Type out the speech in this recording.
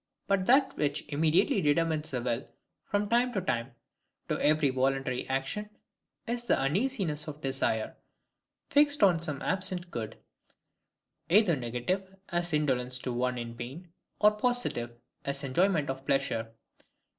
But that which IMMEDIATELY determines the will from time to time, to every voluntary action, is the UNEASINESS OF DESIRE, fixed on some absent good: either negative, as indolence to one in pain; or positive, as enjoyment of pleasure.